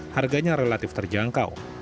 harganya relatif terjangkau